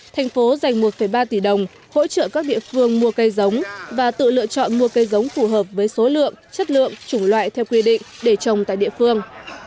thành phố dành một ba tỷ đồng hỗ trợ các địa phương mua cây giống và tự lựa chọn mua cây giống phù hợp với số lượng chất lượng chủng loại theo quy định để trồng tại địa phương